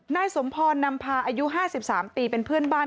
นายสมพรนำพาอายุ๕๓ปีเป็นเพื่อนบ้าน